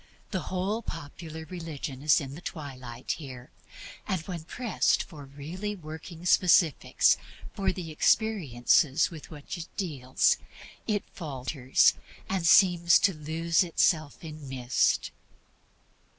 The whole popular religion is in the twilight here. And when pressed for really working specifics for the experiences with which it deals, it falters, and seems to lose itself in mist.